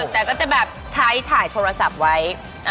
แต่ก็จะแบบไทยถ่ายโทรศัพท์ไว้